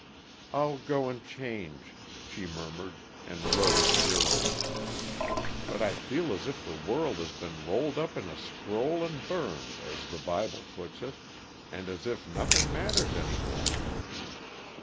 "I'll go and change," she murmured, and rose wearily. "But I feel as if the world had been 'rolled up in a scroll and burned,' as the Bible puts it, and as if nothing matters any more."